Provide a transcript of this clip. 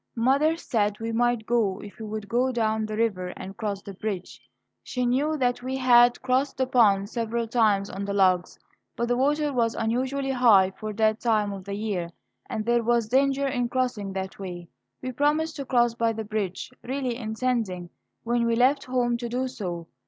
Mother said we might go if we would go down the river and cross the bridge. She knew that we had crossed the pond several times on the logs, but the water was unusually high for that time of the year, and there was danger in crossing that way. We promised to cross by the bridge, really intending when we left home to do so.